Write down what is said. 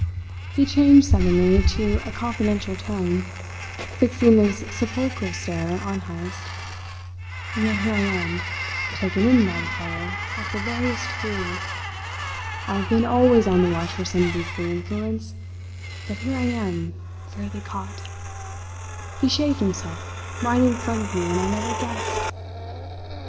He changed suddenly to a confidential tone, fixing his sepulchral stare on Heyst. "And yet here I am, taken in by the fellow, like the veriest fool. I've been always on the watch for some beastly influence, but here I am, fairly caught. He shaved himself right in front of me and I never guessed!"